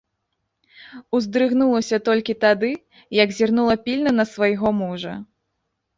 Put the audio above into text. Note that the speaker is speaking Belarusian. Уздрыгнулася толькі тады, як зірнула пільна на свайго мужа.